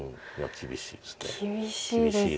厳しいですね。